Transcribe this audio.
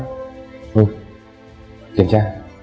thôi kiểm tra